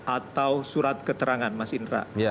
atau surat keterangan mas indra